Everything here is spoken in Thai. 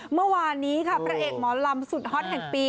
เมื่อวานนี้ค่ะพระเอกหมอลำสุดฮอตแห่งปี